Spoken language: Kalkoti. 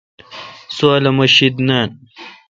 سو الو مہ شید نان